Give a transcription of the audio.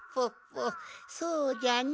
そうじゃのう。